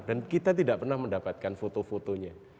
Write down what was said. dan kita tidak pernah mendapatkan foto fotonya